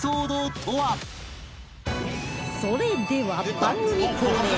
それでは番組恒例